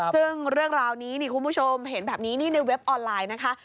ซึ่งเรื่องราวนี้คุณผู้ชมเห็นแบบนี้นี่ในเว็บออนไลน์นะคะ